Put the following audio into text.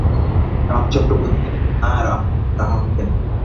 রামচন্দ্র বলিলেন, না রামমোহন, তাহা হইবে না।